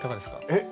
えっ？